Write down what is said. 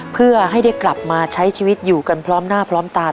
เพื่อให้ได้กลับมาใช้ชีวิตอยู่กันพร้อมหน้าพร้อมตา